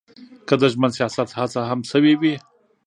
که د ژمن سیاست هڅه هم شوې وي.